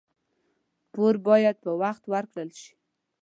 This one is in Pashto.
پور باید په وخت ورکړل شي.